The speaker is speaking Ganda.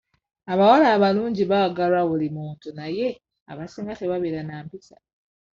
Abawala abalungi baagalwa buli muntu naye abasinga tebabeera na mpisa.